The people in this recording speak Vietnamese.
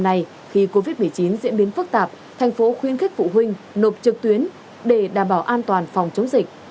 hôm nay khi covid một mươi chín diễn biến phức tạp thành phố khuyến khích phụ huynh nộp trực tuyến để đảm bảo an toàn phòng chống dịch